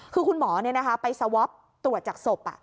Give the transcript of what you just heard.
คือคุณหมอไปสวอปตรวจจากศพ